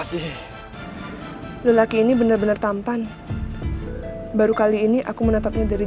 siapakah gerangan diri